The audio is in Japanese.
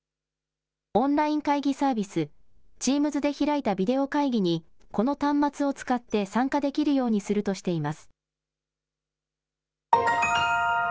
オンライン会議サービス、チームズで開いたビデオ会議にこの端末を使って参加できるようにするとしています。